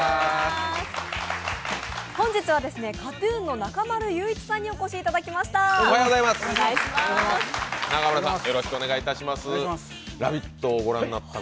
本日はＫＡＴ−ＴＵＮの中丸雄一さんにお越しいただきました。